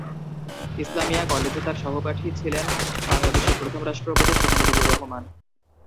ইসলামিয়া কলেজে তার সহপাঠী ছিলেন বাংলাদেশের প্রথম রাষ্ট্রপতি শেখ মুজিবুর রহমান।